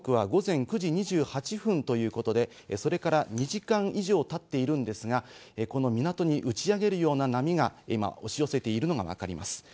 満潮時刻は午前９時２８分ということで、ですから２時間以上経っているんですが、この港に打ち上げるような波が今、押し寄せているのがわかります。